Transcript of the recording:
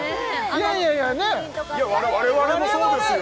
いや我々もそうですよ